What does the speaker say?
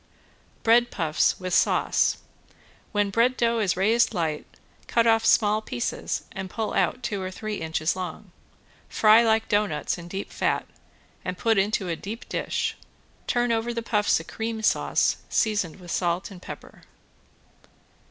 ~BREAD PUFFS WITH SAUCE~ When bread dough is raised light, cut off small pieces and pull out two or three inches long. Fry like doughnuts in deep fat and put into a deep dish, turn over the puffs a cream sauce seasoned with salt and pepper.